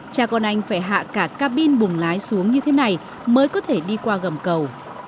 cha con anh phải hạ cả cabin bùng lái xuống như thế này mới có thể đi qua gầm cầu